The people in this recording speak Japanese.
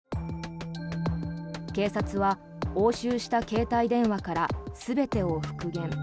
警察は押収した携帯電話から全てを復元。